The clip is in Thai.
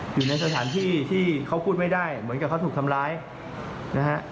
อยู่ในสถานที่ที่เขาพูดไม่ได้เหมือนกับเขาถูกทำร้ายนะฮะ